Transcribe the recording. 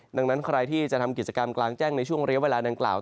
ดังนั้นใครที่จะทำกิจกรรมกลางแจ้งในช่วงเรียกเวลาดังกล่าว